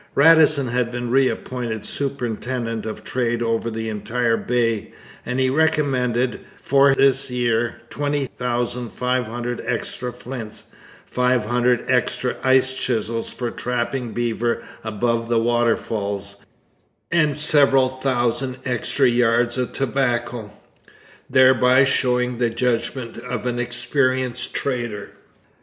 Radisson had been reappointed superintendent of trade over the entire Bay; and he recommended for this year 20,500 extra flints, 500 extra ice chisels for trapping beaver above the waterfalls, and several thousand extra yards of tobacco thereby showing the judgment of an experienced trader.